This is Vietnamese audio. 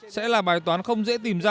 sẽ là bài toán của các đội tuyển việt nam